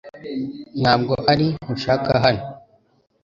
Ntabwo ari nkushaka hano .